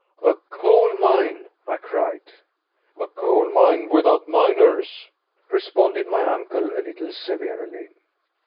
"A coal mine!" I cried. "A coal mine without miners," responded my uncle, a little severely.